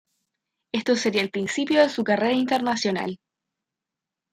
Esto sería el principio de su carrera internacional.